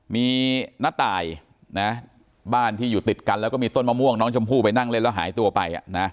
มีน้าตายนะบ้านที่อยู่ติดกันแล้วก็มีต้นมะม่วงน้องชมพู่ไปนั่งเล่นแล้วหายตัวไป